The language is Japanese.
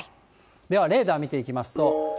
では、レーダー見ていきますと。